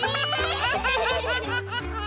アハハハハ！